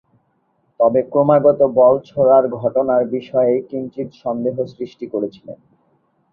তবে ক্রমাগত বল ছোঁড়ার ঘটনার বিষয়ে কিঞ্চিৎ সন্দেহ সৃষ্টি করেছিলেন।